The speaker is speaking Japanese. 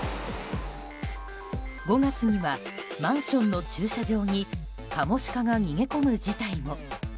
５月にはマンションの駐車場にカモシカが逃げ込む事態も。